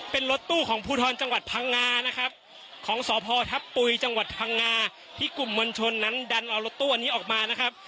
เป็นรถตู้ของภูทรจังหวัดพังงานะครับของสพทัพปุยจังหวัดพังงาที่กลุ่มมวลชนนั้นดันเอารถตู้อันนี้ออกมานะครับ